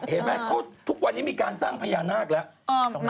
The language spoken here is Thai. เห็นไหมเขาทุกวันนี้มีการสร้างพญานาคแล้ว